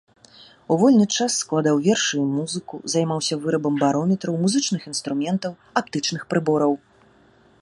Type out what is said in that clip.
У вольны час складаў вершы і музыку, займаўся вырабам барометраў, музычных інструментаў, аптычных прыбораў.